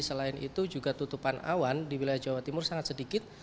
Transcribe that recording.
selain itu juga tutupan awan di wilayah jawa timur sangat sedikit